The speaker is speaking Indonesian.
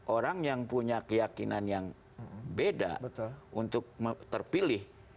orang yang punya keyakinan yang beda untuk terpilih